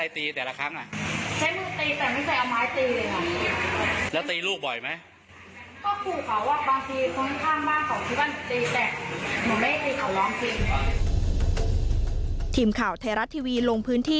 ทีมข่าวไทยรัฐทีวีลงพื้นที่